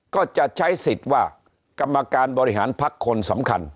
ก็จะใช้สิทธิ์ว่ากรรมการบริหารพักคนสำคัญ